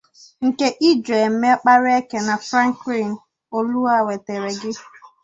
nke Ijoema Okparaeke na Franklin Olua wetere gị.